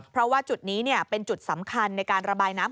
เพราะว่าจุดนี้เป็นจุดสำคัญในการระบายน้ำ